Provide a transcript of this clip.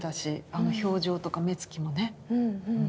あの表情とか目つきもね。